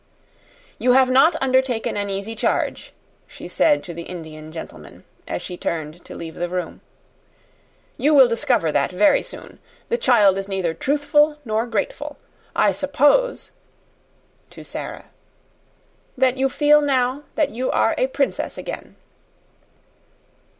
"You have not undertaken an easy charge," she said to the Indian gentleman, as she turned to leave the room; "you will discover that very soon. The child is neither truthful nor grateful. I suppose" to Sara "that you feel now that you are a princess again."